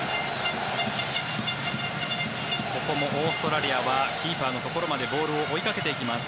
ここもオーストラリアはキーパーのところまでボールを追いかけていきます。